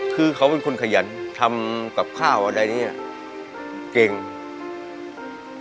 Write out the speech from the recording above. คือเขาเป็นคนขยันทำกับข้าวอะไรเนี่ยเก่ง